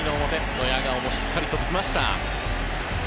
ドヤ顔もしっかりと出ました。